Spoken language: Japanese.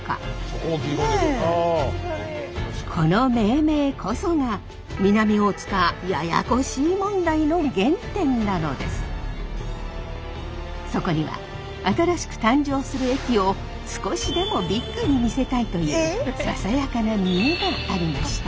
この命名こそがそこには新しく誕生する駅を少しでも「Ｂｉｇに見せたい」というささやかな見栄がありました。